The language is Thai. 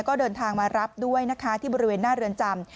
ก็เดินทางมารับด้วยนะคะที่บริเวณหน้าเรือนจำ